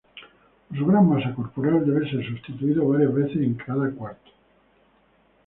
Por su gran masa corporal, debe ser sustituido varias veces en cada cuarto.